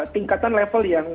tingkatan level yang